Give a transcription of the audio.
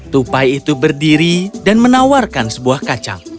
tupai itu berdiri dan menawarkan sebuah kacang